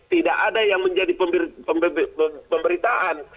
tidak ada yang menjadi pemberitaan